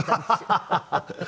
ハハハハ。